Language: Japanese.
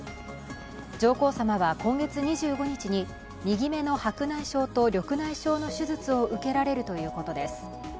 上皇さまは今月２５日に右目の白内障と緑内障の手術を受けられるということです。